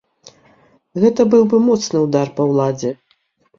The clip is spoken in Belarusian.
Гэта быў бы моцны ўдар па ўладзе.